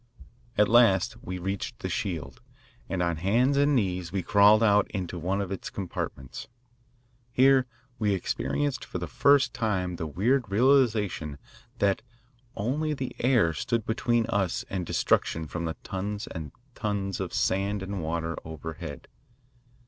At last we reached the shield, and on hands and knees we crawled out into one of its compartments. Here we experienced for the first time the weird realisation that only the "air" stood between us and destruction from the tons and tons of sand and water overhead.